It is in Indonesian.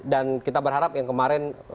dan kita berharap yang kemarin